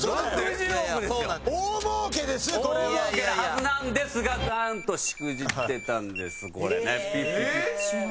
大儲けなはずなんですがなんとしくじってたんですこれね。